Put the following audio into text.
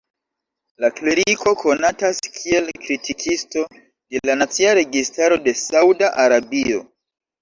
La kleriko konatas kiel kritikisto de la nacia registaro de Sauda Arabio.